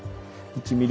１ｍｍ？